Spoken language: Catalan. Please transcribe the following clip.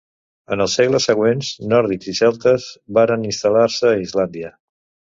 En els segles següents, nòrdics i celtes varen instal·lar-se a Islàndia.